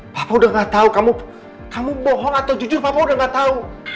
papa udah gak tau kamu bohong atau jujur papa udah gak tau